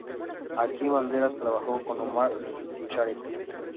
Aquí Banderas trabajó con Omar Sharif.